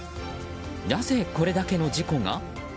なぜ、これだけの事故が？